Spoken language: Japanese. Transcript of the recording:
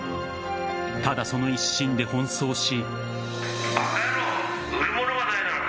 ただその一心で奔走し。